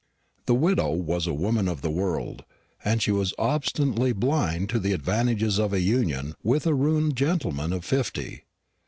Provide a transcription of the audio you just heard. The widow was a woman of the world, and was obstinately blind to the advantages of a union with a ruined gentleman of fifty.